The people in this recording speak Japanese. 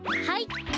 はい！